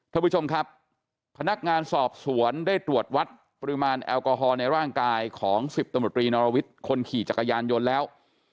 ท่านผู้ชมครับพนักงานสอบสวนได้ตรวจวัดปริมาณแอลกอฮอล์ในร่างกายของ๑๐ตำรวจรีนรวิทย์คนขี่จักรยานยนต์แล้ว